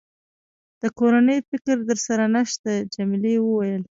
د کورنۍ فکر در سره نشته؟ جميلې وويل:.